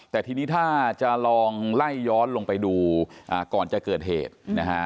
แต่ทีนี้ถ้าจะลองไล่ย้อนลงไปดูก่อนจะเกิดเหตุนะฮะ